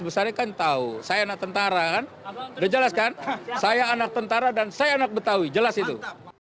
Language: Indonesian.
meskipun jan farid memberikan dukungan kepada pasangan agus silvi